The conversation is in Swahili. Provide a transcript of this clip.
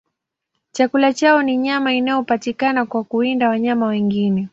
Chakula chao ni nyama inayopatikana kwa kuwinda wanyama wengine.